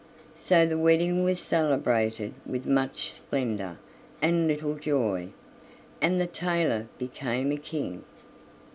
So the wedding was celebrated with much splendor and little joy, and the tailor became a king.